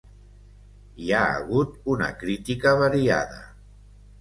Hi ha hagut una crítica variada.